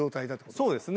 そうですね。